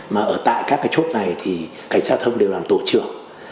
mà ở tại các cái chốt này thì cảnh sát giao thông đều làm tổ trưởng